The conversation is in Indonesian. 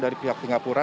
dari pihak singapura